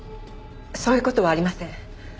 そういう事はありません。